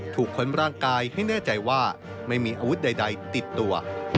ค้นร่างกายให้แน่ใจว่าไม่มีอาวุธใดติดตัว